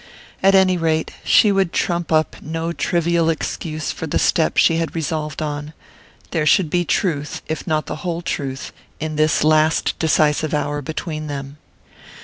At any rate, she would trump up no trivial excuse for the step she had resolved on; there should be truth, if not the whole truth, in this last decisive hour between them.